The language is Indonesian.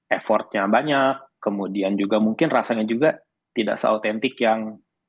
effortnya banyak kemudian juga mungkin rasanya juga tidak se autentik yang